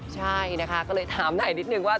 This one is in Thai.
ใช่นะคะก็เลยถามหน่อยนิดนึงว่า